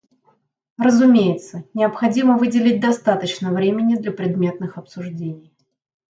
Разумеется, необходимо выделить достаточно времени для предметных обсуждений.